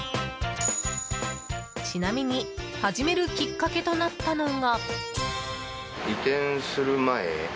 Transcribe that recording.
ちなみに始めるきっかけとなったのが。